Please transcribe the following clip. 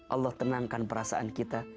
allah tenangkan perasaan kita